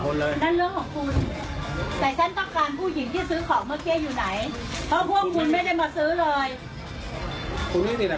กลุ่มแหงเอ้ยอย่าดึงยอยอย่าดึง